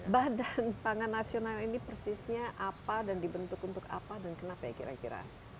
badan pangan nasional ini persisnya apa dan dibentuk untuk apa dan kenapa ya kira kira